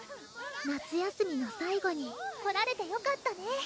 夏休みの最後に来られてよかったね